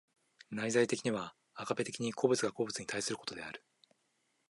内在的にはアガペ的に個物が個物に対することである。